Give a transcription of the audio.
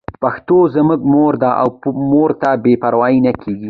پښتو زموږ مور ده او مور ته بې پروايي نه کېږي.